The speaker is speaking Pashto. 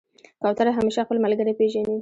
کوتره همیشه خپل ملګری پېژني.